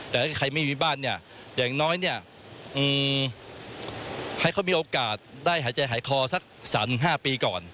แต่ถ้าใครไม่มีบ้านเนี่ยอย่างน้อยเนี่ยให้เขามีโอกาสได้หายใจหายคอสัก๓๕ปีก่อน